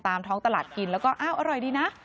ท้องตลาดกินแล้วก็อ้าวอร่อยดีนะ